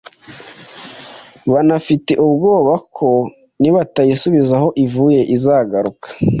banafite ubwoba ko nibatayisubiza aho ivuye izagaruka